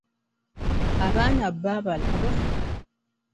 Abaana bo abo obalaba?